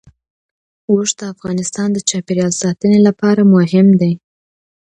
اوښ د افغانستان د چاپیریال ساتنې لپاره مهم دي.